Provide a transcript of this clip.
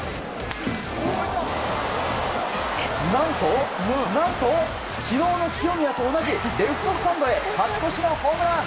何と、何と昨日の清宮と同じレフトスタンドへ勝ち越しのホームラン！